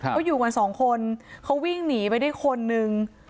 เขาอยู่กันสองคนเขาวิ่งหนีไปได้คนนึง